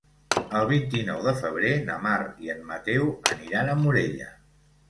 El vint-i-nou de febrer na Mar i en Mateu aniran a Morella.